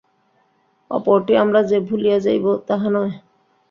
অপরটি আমরা যে ভুলিয়া যাইব, তাহা নয়।